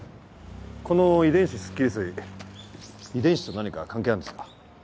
この「遺伝子すっきり水」遺伝子と何か関係あるんですか？